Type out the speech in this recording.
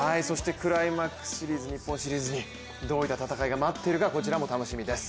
クライマックスシリーズ、日本シリーズにどういった戦いが待ってるか、こちらも楽しみです。